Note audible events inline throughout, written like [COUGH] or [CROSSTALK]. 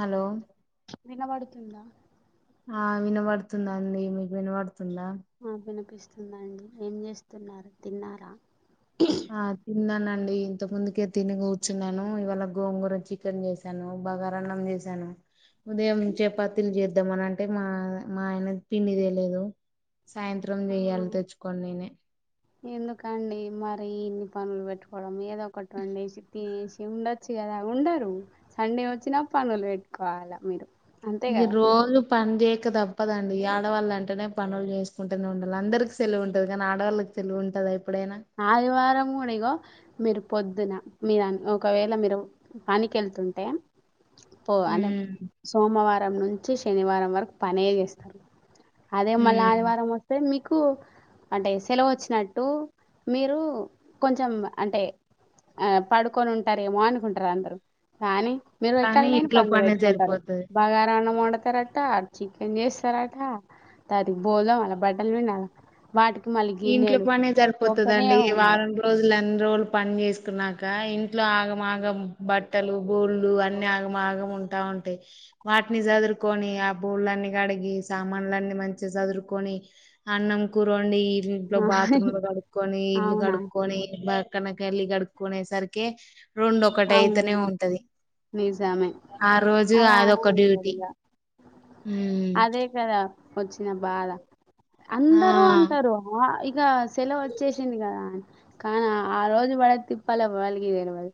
Hello వినబడుతుందా ఆ వినబడుతుండి అండి మీకు వినబడుతుందా ఆ వినపిస్తుందండి ఏం చేస్తున్నారు తిన్నారా ఆ తిన్నానండి ఇంత ముందుకే తిని కూర్చున్నాను ఇవాళ గోంగూర చ్ చికెన్ చేసాను బాగార అన్నం చేసాను ఉదయం చపాతీల్ చేద్దాంమని అంటే మా మా ఆయన పిండి తేలేదు సాయంత్రం ఆ చెయ్యాలి తెచ్చుకోని నేనే ఎందుకండి మరి ఇన్ని పనులు వెట్టుకోడం ఏదో ఒకటి ఒండేసి తినేసి ఉండచ్ చుకదా ఉండరు సండే ఓచ్చినా పనులు వేట్టుకోవాలా మీరు అంతే ఈ కదా రోజు పని చేయక తప్పదండి ఆడవాళ్ళు అంటేనే పనులు చేసుకుంటేనే ఉండాలి అందరికి సెలివు ఉంటది కానీ ఆడవాళ్ళకి సెలవు ఉంటదా ఎప్పుడైనా ఆదివారం కూడా ఇగో మీరు పొద్దున మీరన్ ఒకవేళ మీరు పనికేళ్తుంటే పోవనే ఉమ్ సోమవారం నుంచి శనివారం వరకు పనే చేస్తారు అదే మళ్ళీ ఉమ్ ఆదివారం వస్తే మీకు అంటే సెలవు వచ్చినట్టు మీరు కొంచెం అంటే ఆ పడుకొని ఉంటారేమో అనుకుంటారు అందరు కానీ మీరు కానీ ఎక్కళ్ళలేని ఇంట్లో పనులు పనే పెట్టుకుంటరు సరిపోతది బాగారాన్నం వండతార చికెన్ చేస్తరట తది బోల్ తోమాల బట్టల్ పిండాల వాటికి మళ్ళీ గిన్నెలు తోముతూనే వత్తదండి ఉండాలి వారం రోజులు అన్ని రోజులు పని చేసుకున్నాక ఇంట్లో ఆగమాగం బట్టలు బోళ్ళు అన్ని ఆగమాగం ఉంటా ఉంటాయి వాటిని సదురుకొని ఆ బోళ్లన్నీ కడిగి సామాన్లన్నీ మంచిగా సదురుకొని అన్నం కూరోండి ఇట్లో బాత్రూమ్లు కడుకొని ఇల్లు అవునా కడుకొని కనక ఇల్లు కడుకునే సరికే రెండు ఒకటి అయితనే అవును ఉంటది నిజమే ఆ రోజు అలానే అదోక ఉంటది డ్యూటీ ఇగ హు అదే కదా వచ్చిన బాధ ఆ అందరూ అంటారు ఆ ఇక సెలవు వచ్చేసింది కదా కానీ ఆ రోజు పడే తిప్పలు ఎవ్వలికి తెలవదు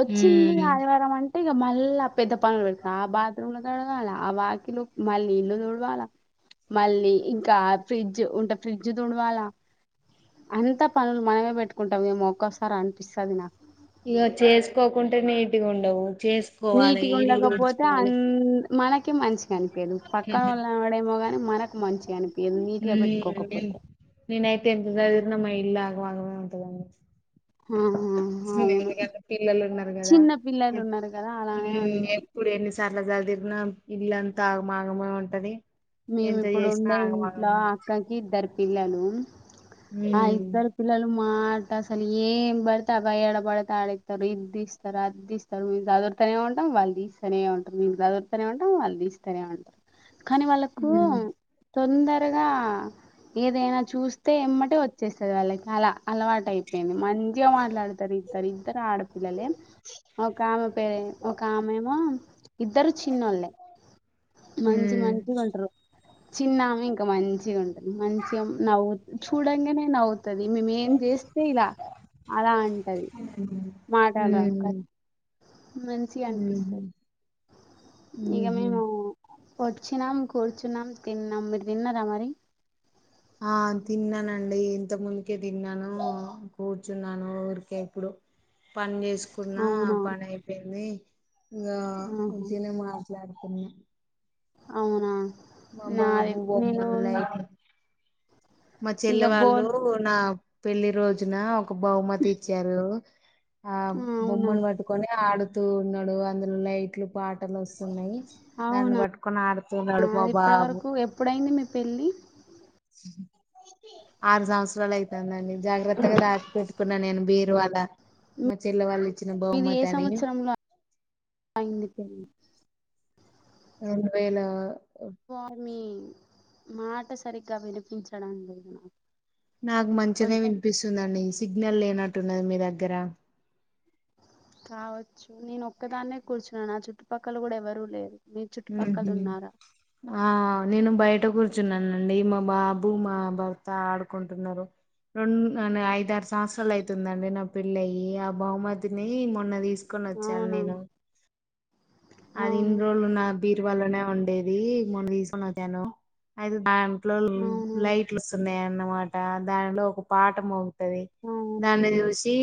వచ్చింది ఉమ్ ఆదివారం అం అంటే ఆ మళ్ళా ఆ పెద్ద పనులు పెడు ఆ బాత్రూమ్లు కడగాల ఆ వాకిల్ మళ్ళీ ఇల్లు తుడవాలా మళ్ళీ ఇంకా ఫ్రిడ్జ్ ఉంటే ఫ్రిడ్జ్ తుడవాలా అంత పనులు మనమే పెట్టుకుంటాం ఏమో ఒక్కోసారి అనిపిస్తుంది నాకు ఇగ చేసుకోకుంటే నీట్గా ఉండవు చే నీటిగా ఉండకపోతే అన్ మనకే మంచిగా అనిపియదు పక్కన వాళ్ళు అనుడేమో గాని మనకు మంచిగా అనిపి ఏమ్ నీట్గా ఉమ్ పెట్టుకోకపోతే నేనైతే ఎంతసధిరిన మా ఇల్లాగమగమే ఉంటంది అండి హ హా ఎందుకంటే పిల్లలు ఉన్నారు కదా పిల్లలు ఉ ఉన్నారు కదా అలానే ఉంటది ఎప్పుడు ఎన్ని అట్లా సదిరిన ఇళ్ళాంతా ఆగమాగమే ఉంటది మేము ఎంత ఇప్పుడు చేసినా ఉండే ఇంట్లో ఆగమాగమే ఉంటది అక్కకి ఇద్దరు పిల్లలు ఆ ఉమ్ ఇద్దరు పిల్లలు మాట అసలు ఏం బడితే బయబడితే ఆడ ఏత్తారు ఇద్తీస్తారు అద్తీస్త ఇ మీ సదువురుతూనే ఉంటాం వాళ్ళు తీస్తనే ఉంటారు మీరు సదువురుతూనే ఉంటాం వాళ్ళు తీస్తనే ఉంటారు కానీ వాలాక్ ఉ తొందరగా ఏదైనా చూస్తే ఎమ్మటే వచ్చేస్తుంది వాళ్ళకి చాలా అలవాటయిపోయింది మంచి మంచిగా మాట్లాడతారు ఇద్దరు ఇద్దరు ఆడపిల్లలే ఒక ఆమె పేరే ఒక ఆమెమో ఇద్దరు చిన్నోళ్ళే మంచి మంచి ఉంట్ర చిన్నమే ఇంకా మంచిగా ఉంటుంది మంచిగా నవ్వుత్ చూడంగానే నవవుతది మేము ఏం చేస్తే ఇలా అలా అంటది ఉమ్ మాటలు రావు కదా ఉమ్ మంచిగా అనిపిస్తంది ఉమ్ ఇగా ఉహు మేము వచ్చినం కూర్చున్నాం తిన్నాం మీరు తిన్నారా మరి ఆ తిన్నానండి ఇంత ముందుకే తిన్నాను కూర్చున్నాను ఊరికే ఇప్పుడు పని జెస్కు కున్న ఆ అవునా పని అయిపోయింది ఇగా ఆహా ఉత్తినే మాట్లాడుతున్నా అవునా మా నాది బాబు నేను బొమ్మలు ఇట్లా మా ఇక చెల్లె వాళ్ళు బోల్ నా పెళ్లి రోజున ఒక బహుమతి ఇచ్చారు ఆ బొమ్మను పట్టుకొని ఆడుతూ ఉన్నాడు అందులో లైట్లు పాటలు వస్తున్నాయ్ దాన్ని అవునా పట్టుకొని ఆడుతున్నాడు మ బాబు ఏప్పుడైంది మీ పెళ్ళి ఆరు సంవత్సరాలయితందండి జాగ్రత్తగా దాచ్ పెట్ కున్నా నేను బీరువాల మా చెల్ల వాళ్ళు ఇచ్చిన మీది ఏ బహుమతి అని సంవత్సరంలో అయింది పెళ్ళి రెండు వేయిల స్వామి మాట సరిగ్గా వినిపించడం లేదు నాకు నాకు మంచినే కొంచెం కొంచెం వినిపిస్తుందండి సిగ్నల్ లేనట్టున్నది మీ దగ్గర కావచ్చు నేనొక్కదాన్నే కూర్చోనాన్న నా చుట్టుపక్కల కూడా ఎవరూ లేరు మీ ఉమ్ చుట్టుపక్కల హు ఉన్నారా ఆ నేను బయట కూర్చున్నానండి మా బాబు మా భర్త ఆడుకుంటున్నారు రెండ్ ఐదారు సంవత్సరాలు అయితుందండి నా పెళ్ళయ్యి ఆ బహుమతిని మొన్న తీసుకు కొనచ్చాను అవునా నేను అది అవును ఇన్ని రోజులు నా బీర్వాలోనే ఉండేది మొన్న తీసుకునొచ్చాను అది దాన్ ట్లో అవును లైట్లు వస్తున్నాయన్నమాట దానిలో ఒక పాట మోగు తది అవునా దాన్ని చూసి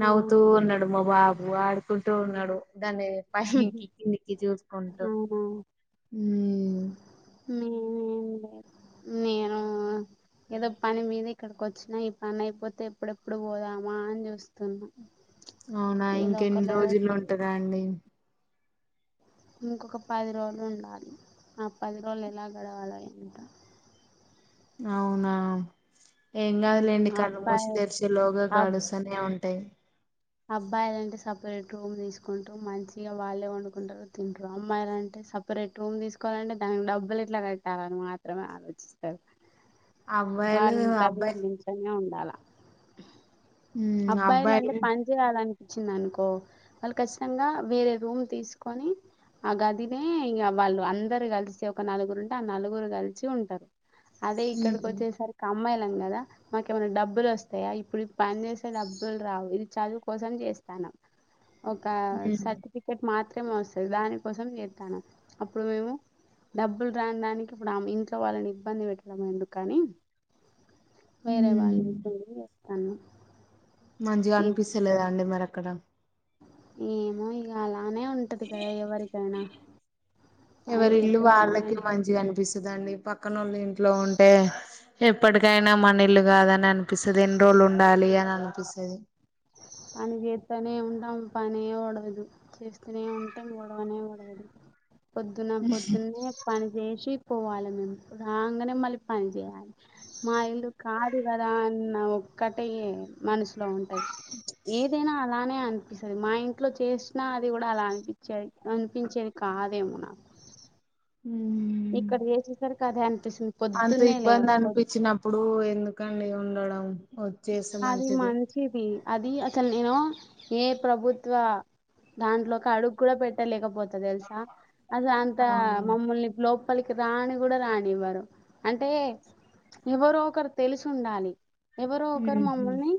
నవ్వుతూ అవును ఉన్నడ్ డు మా బాబు ఆడుకుంటూ ఉన్నడు దాన్ని పైకి కిందికి చూసుకుంటూ అవునా ఉమ్ మేమేం లే నేను ఏదో పని మీద ఇక్కడికి వచ్చినా ఈ పని అయిపోతే ఎప్పుడెప్పుడు పోదామా అని చూస్త తున్న అవునా ఇంకెన్ని రోజులు ఉంటాదా అండి ఇంకొక పది రోజులుండాలి ఆ పది రోజులు ఎలా గడవాలో ఏంటో అవునా ఏం ఉమ్, కాదులేండి కళ్ళు మూసి అబ్బాయి తెరిచేలోగా అబ్ గడుస్తనే ఉ టయ్ అబ్బాయిలంటే సపరేట్ రూమ్ తీసుకుంటరు మంచిగా వాళ్ళే వండుకుంటారు తింటారు అమ్మాయిలంటే సప్ సపరేట్ రూమ్ తీసుకోవాలంటే దానికి డబ్బులెట్లా కట్టాలని మాత్రమే ఆలోచిస్తారు అబ్బాయిలు వాళ్ళింట్ల అబ్బాయి వీళ్ళింట్లనే ఉండాల ఉమ్ అబ్బాయిలంటే అబ్బాయిలు పన్ జయ్యాలని అనిప్పించిందనుకో వాళ్ళు ఖచ్చితంగా వేరే రూమ్ తీసుకొని అ గదినే ఇగ వాళ్ళు అందరు కలిసి ఒక నలుగురు ఉంటే ఆ నలుగురు కలిసి ఉంటరు అదే ఉమ్ ఇక్కడికొచ్చేసరికి అమ్మాయిలం గదా మాకేమైనా డబ్బులు వస్తాయా ఇప్పుడు పని చేస్ డబ్బులు రావు ఇది చదువుకోసం చేస్తానం ఒక ఉమ్ సర్టిఫిక్ మాత్రమే వస్తది దాని కోసం చేత్తన అప్పుడు మేము డబ్బులు రానిదానికి ఇప్పుడు ఆమ ఇంట్లో వాళ్ళని ఇబ్బంది పెట్టడం ఎందుకని వేరే వాళ్ళ హ్మ్ [UNINTELLIGIBLE] వస్తాను మంచిగ అనిపిస్తలేదండి మరక్కడ ఏమో ఇగ అలానే ఉం ఉంటది కద ఎవరికైనా పని జేత్తే నెమో పిస్తదండి పక్కనళ్ళు ఇంట్లో ఉంటే ఎప్పటికైనా మనిల్లు కాదని అనిపిస్తది ఎన్ని రోజులు ఉండాలి అని అనిపిస్తది పని చేస్తనే ఉంటాం పనే ఒడవది చేస్తూనే ఉంటాం ఓడవనే ఒడవది పొద్దున్న పొద్దున్నే పని జేసి పోవాలె మేము రాగానే మళ్ళీ పని చేయాలి మా ఇల్లు కాదు కదా అన్న ఒక్కటే మనసులో ఉంటది ఏదైనా అలానే అనిపిస్తది మా ఇంట్లో చేసినా అది కూడా అలా అనిపిచ్చేది అనిపించేది కాదేమో నా హుమ్ ఇక్కడ చేసేసరికదే అనిసిన్ అంత ఇబ్బంది అనిపించినప్పుడు ఎందుకండి ఉండడం వచ్చేస్తే హది మంచిది మంచ్ చిది అది అసలు నేను ఏ ప్రభుత్వ దాంట్లోకి అడుగు కూడా పెట్టలేకపోత దెల్సా అసలంతా అవునండి మమ్మల్ని లోప్ పలికి రాని కూడా రానివ్వరు అంటే ఎవరో ఒకరు తెలిసుండాలి ఎవరో ఒకరు ఊహు మమ్ముల్ని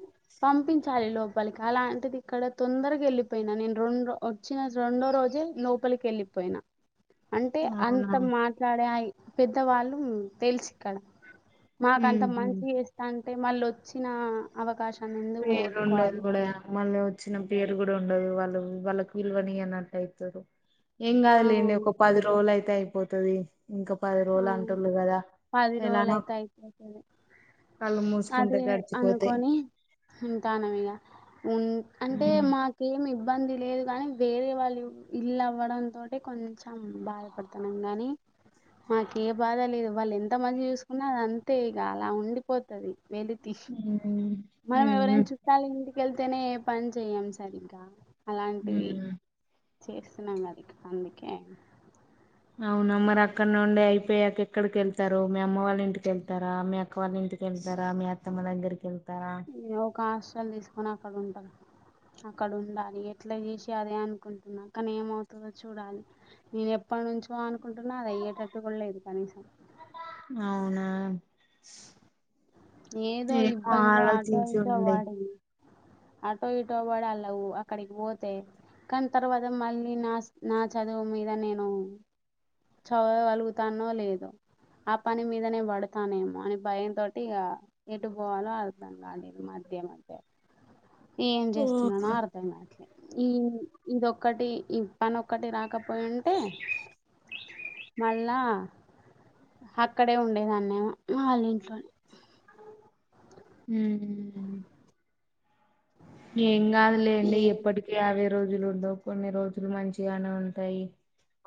పంపించాలి లోపల్కి అలాంటిది ఇక్కడ తొందరగెళ్ళిపోయినా నేను రెండ్రో ఒ ఒచ్చిన రెండో రోజే లోపలికెళ్ళిపోయిన అంటే అవునా అంత మాట్లాడే ఆ పెద్దవాళ్ళు తేల్సిక్కడ మాకంత ఊహు మంచి చేస్తాంటే మళ్ళొచ్చినా అవకాశన్నెం పేరుండదు గూడా మళ్ళొద్ చిన్న పేరు కూడా ఉండదు వాళ్ళు వాళ్ళకి విలువనియ్యన్నట్టైతది ఏం ఆ! కాదులేండి ఒక పది రోలైతే అయిపోతది ఇంకా పది అవును. రోలంటుళ్ళు కదా ఎలానో రోజులయితే అయిపోతది. కళ్ళు మూస్కుంటే గడిచిపోతె ఉంతానమిగ ఉన్ అంటే ఉమ్. మాక్ కేం ఇబ్బంది లేదు కానీ వేరే వాళ్ళు ఇల్లవ్వడంతోటె కొంచం బాధపడుతున్నాన్ కానీ మాకే బాధ లేదు వాళ్ళెంత మంచిగా చూస్కున్నా అది అంతే ఇగ అలా ఉండిపోతది వెలి తిష్ ఉమ్. ఉమ్. మనమెవరైనా చూ వాళ్ళింటికెళ్తేనే ఏ పని చెయ్యం సరిగ్గా అలాంటిది ఉమ్. చేస్తున్నాం కదికా అందుకే ఔనా మరక్కన్నే ఉండి అయిపోయాక ఎక్కడికెళ్తరు మీ అమ్మ వాళ్ళింటికెళ్తారా మీ అక్క వాళ్ళింటి ఎళ్తారా మీ అత్తమ్మ దగ్గర్కెళ్తారా ఏ ఒక హాస్టల్ తీస్కొని అక్కడుంటా అక్కడుండాలి ఎట్లా చేషి అదే అనుకుంటున్నా కాని ఏమవుతదో చూడాలి నేను ఎప్పనుంచో అనుకుంటున్నా అది అయ్యేటట్టు కూడ్లేదు కనీసం ఔనా ఏదో ఏమో ఇబ్బందిలో ఆలోచించుండి ఆటో ఇటో వడాళ్ళక్ వొ అక్కడికి పోతే కాని తర్వాత మళ్ళీ నాస్ నా చదువు మీద నేను చదవగలుగుతానో లేదో ఆ పని మీదనే పడతానేమో అని భయం తోటి ఇగ ఎటు పోవాలో అర్దం కాలేదు మధ్య మధ్య ఏం చేస్తున్నానో ఓహో అర్థం కాట్లే ఉమ్ ఇదొక్కటి పనొక్కటి రాకపోయుంటే మళ్ళా హక్కడే ఉండేదాన్నేమో వాళ్ళింట్లోనే ఊ ఏం కాదులేండి ఏ ఎప్పటి ఇగ అవ్వే రోజులుండవు కొన్ని రోజులు మంచిగానే ఉంటాయి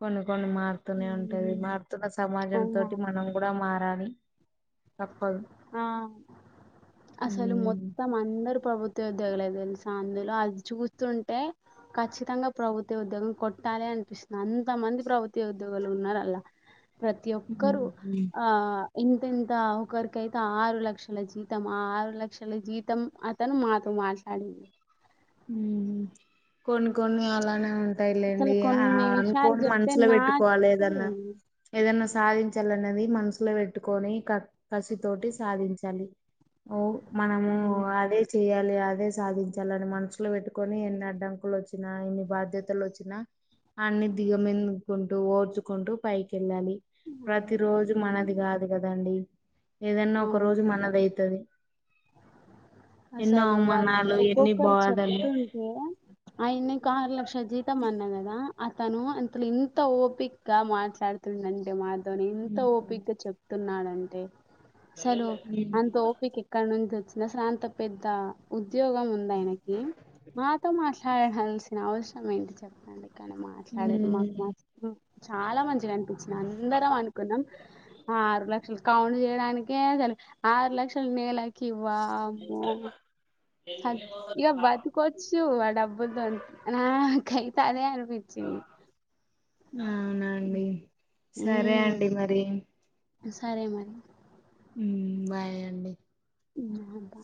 కొన్ని కొన్ని మార్ తూనే ఉంటది మారుతున్న సమాజం తోటి మనం కూడా మారాలి తప్పదు ఆ అస్సలు మొ ఉమ్ త్తం అందరూ ప్రభుత్వ ఉద్యోగులే వీళ్ళ ఫ్యామిలీ లో అది చూస్తుంటే ఖచ్చితంగా ప్రభుత్వ ఉద్యోగం కొట్టాలె అన్పిస్న అంతమంది ప్రభుత్వ ఉద్యోగులు ఉన్నారు అల్ల ప్రతీ ఒక్కరు ఉమ్. ఆ ఇంతింత ఒకర్ కైతే ఆరు లక్షల జీతం ఆ ఆరు లక్షల జీతం అతను మాతో మాట్లాడ [INAUDIBLE] ఊ కొన్ని కొన్ని అలానే ఉన్ టాయి అసలు లేండి ఆ కొన్ని విషయాలు అనుకోని చెప్తే మనసుల నాకు పెట్టుకోవాల ఏదన్నా ఏదన్నా సాధించాలన్నది మనసులో పెట్టుకొని క కసి తోటి సాధించాలి ఓ మనము ఉమ్, అదే చెయ్యాలి అదే సాధించాలని మనసు సులో పెట్టుకొని ఎన్ని అడ్డంకులొచ్చినా ఎన్ని బాధ్యతలొచ్చినా అన్నీ దిగమిందుకుంటూ ఓర్చుకుంటూ పైకెళ్ళాలి అదే ప్రతి రోజూ మనది కాదు కదండి ఏదన్నా ఒక అవును రోజు కదా మనదైతది ఎన్నో అవమానాలు ఎన్ని బాధ తున్కే ఆయన్నకు ఆరు లక్షల జీతం అన్నా గదా అతను అంతలో ఎంత ఓపిక్గా మాట్లాడు తుందంటే మాతోని ఎంత ఉమ్ ఓపికగా చెప్తున్నాడంటే సలు అంత ఉమ్, ఓపికే క్కడ నుంచి వచ్చిన సాంత పెద్ద ఉద్యోగం ఉంది ఆయనకి మాతో మాట్లాడహాల్సిన అవసరం ఏంటి చెప్పండి కానీ మాట్లాడారు మాకు మాత్ చాలా మంచిగా అన్పిచ్చింది అందరం అనుకున్నాం ఆ ఆరు లక్షలు కౌంట్ చేయడానికి కే అసలు ఆరు లక్షల నెలకి వామ్మో సక్ ఇగ బతుకొచ్చు ఆ డబ్బులతోని నాకైతే అదే అనిపిచ్చింది అవునా అండి సరే ఉమ్, అండి మరి సరే మరి ఉమ్ బాయ్ అండి [INAUDIBLE]